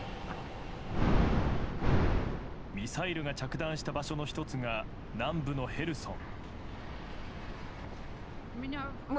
ミサイルが着弾した場所の１つが南部のヘルソン。